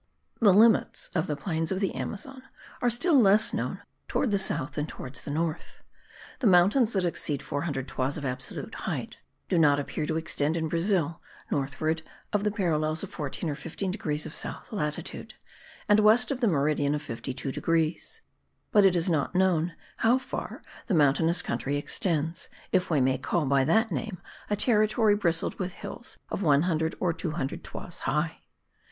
The limits of the plains of the Amazon are still less known towards the south than towards the north. The mountains that exceed 400 toises of absolute height do not appear to extend in Brazil northward of the parallels 14 or 15 degrees of south latitude, and west of the meridian of 52 degrees; but it is not known how far the mountainous country extends, if we may call by that name a territory bristled with hills of one hundred or two hundred toises high.